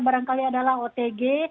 barangkali adalah otg